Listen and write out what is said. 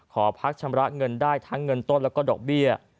ขอพักชำระเงินได้ทั้งเงินต้นแล้วก็ดอกเบี้ย